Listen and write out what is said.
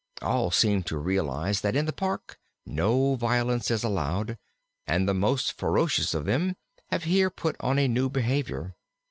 All seem to realize that in the Park no violence is allowed, and the most ferocious of them have here put on a new behavior.